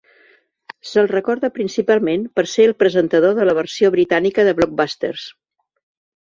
Se'l recorda principalment per ser el presentador de la versió britànica de "Blockbusters".